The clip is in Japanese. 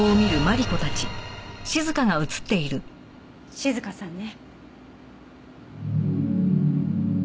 静香さんね。